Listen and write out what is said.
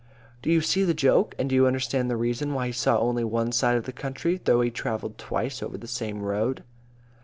Do you see the joke? And do you understand the reason why he saw only one side of the country, though he travelled twice over the same road?